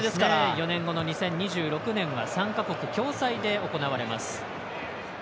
４年後の２０２６年は３か国共催で行われます。